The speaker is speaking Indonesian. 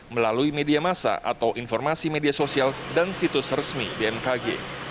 melalui media massa atau informasi media sosial dan situs resmi bmkg